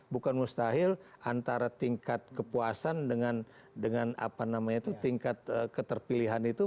bukan mustahil antara tingkat kepuasan dengan dengan apa namanya itu tingkat keterpilihan itu